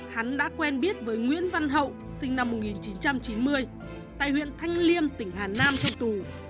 hắn đã quen biết với nguyễn văn hậu sinh năm một nghìn chín trăm chín mươi tại huyện thanh liêm tỉnh hà nam cho tù